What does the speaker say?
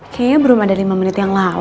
kayaknya belum ada lima menit yang lalu